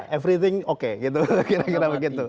everything oke gitu kira kira begitu